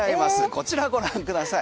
こちらご覧ください。